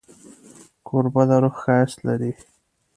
کوربه د روح ښایست لري.